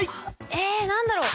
え何だろう？